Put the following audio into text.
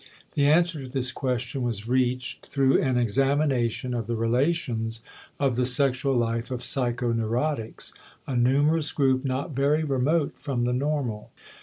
The answer to this question was reached through an examination of the relations of the sexual life of psychoneurotics, a numerous group not very remote from the normal.